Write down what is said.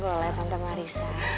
boleh tante marissa